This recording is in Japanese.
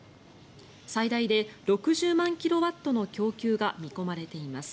最大で６０万キロワットの供給が見込まれています。